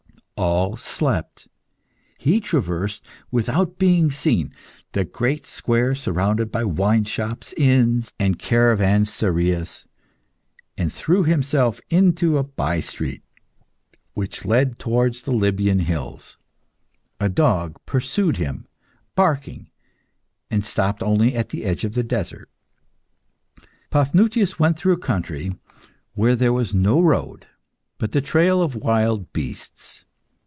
All slept. He traversed, without being seen, the great square surrounded by wine shops, inns, and caravanserias, and threw himself into a by street which led towards the Libyan Hills. A dog pursued him, barking, and stopped only at the edge of the desert. Paphnutius went through a country where there was no road but the trail of wild beasts.